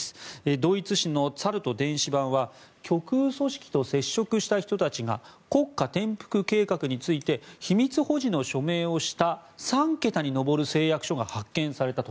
ドイツ紙のツァルト電子版は極右組織と接触した人たちが国家転覆計画について秘密保持の署名をした３桁に上る誓約書が発見されたと。